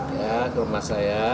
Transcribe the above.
ya ke rumah saya